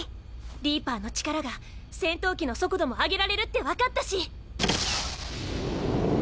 リーパーの力が戦闘機の速度も上げられるって分かったし。